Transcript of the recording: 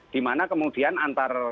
di mana kemudian antara